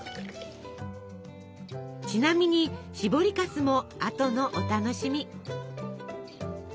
ちなみにしぼりかすもあとのお楽しみ。